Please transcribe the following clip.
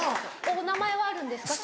お名前はあるんですか？